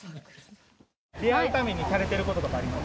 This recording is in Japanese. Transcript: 出会いのためにされてることとかあります？